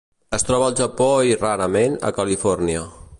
Es troba al Japó i, rarament, a Califòrnia.